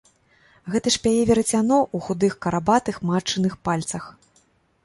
Гэта ж пяе верацяно ў худых карабатых матчыных пальцах.